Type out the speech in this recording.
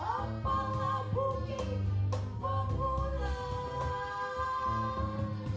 apalah bumi pembulan